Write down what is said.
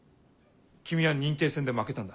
君は認定戦で負けたんだ。